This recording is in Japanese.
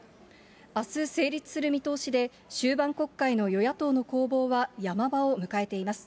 あす成立する見通しで、終盤国会の与野党の攻防はヤマ場を迎えています。